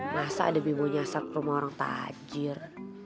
masa ada bimbo nyasar ke rumah orang tajir